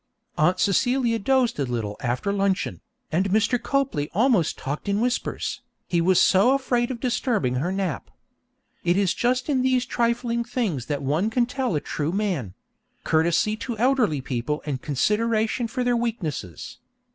Aunt Celia dozed a little after luncheon, and Mr. Copley almost talked in whispers, he was so afraid of disturbing her nap. It is just in these trifling things that one can tell a true man courtesy to elderly people and consideration for their weaknesses.